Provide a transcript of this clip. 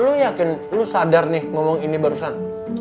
lo yakin lo sadar nih ngomong ini barusan